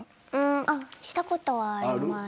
したことはあります。